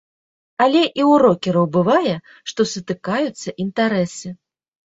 Але і ў рокераў бывае, што сутыкаюцца інтарэсы.